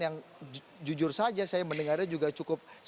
yang jujur saja saya mendengarnya juga cukup